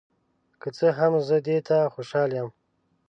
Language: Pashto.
که څه هم، زه دې ته خوشحال یم.